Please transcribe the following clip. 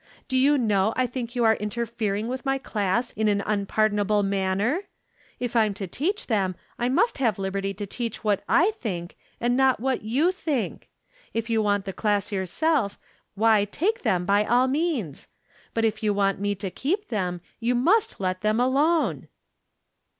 Do you know I think you are inter fering with my class in an unpardonable manner ? If I'm to teach them I must have Hberty to teach what I think and not what you think. If you want the class yourself, why take them by all means. But if you want me to keep them you must let them alone."